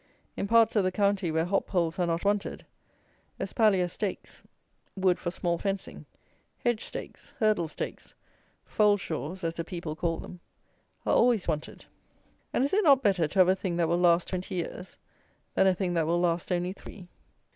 In parts of the county where hop poles are not wanted, espalier stakes, wood for small fencing, hedge stakes, hurdle stakes, fold shores, as the people call them, are always wanted; and is it not better to have a thing that will last twenty years, than a thing that will last only three?